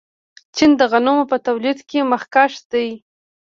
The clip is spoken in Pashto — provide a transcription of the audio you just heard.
چین د غنمو په تولید کې مخکښ دی.